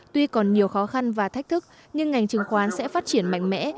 tuy còn nhiều khó khăn và thách thức nhưng ngành chứng khoán sẽ phát triển mạnh mẽ